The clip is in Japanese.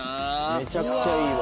めちゃくちゃいいわ。